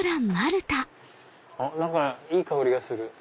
何かいい香りがする。